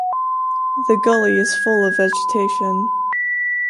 The gully is full of vegetation.